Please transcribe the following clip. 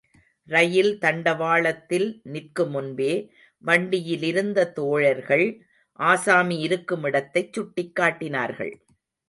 ரயில் தண்ட வாளத்தில் நிற்குமுன்பே வண்டியிலிருந்த தோழர்கள் ஆசாமி இருக்குமிடத்தைச் சுட்டிக்காட்டினார்கள்.